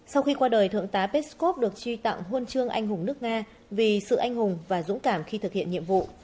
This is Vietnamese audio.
sau khi qua đời thượng tá peskov được truy tặng huân chương anh hùng nước nga vì sự anh hùng và dũng cảm khi thực hiện nhiệm vụ